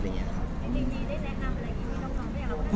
เนี่ยครับ